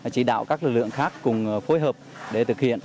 chỉ đạo các lực lượng khác cùng phối hợp để thực hiện